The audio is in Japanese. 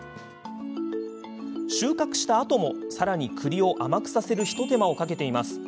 収穫したあとも、さらにくりを甘くさせる一手間をかけています。